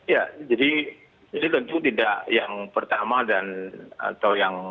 ya jadi ini tentu tidak yang pertama dan atau yang